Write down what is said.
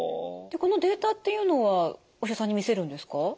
このデータっていうのはお医者さんに見せるんですか？